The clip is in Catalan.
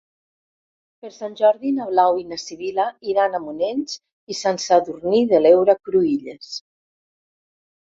Per Sant Jordi na Blau i na Sibil·la iran a Monells i Sant Sadurní de l'Heura Cruïlles.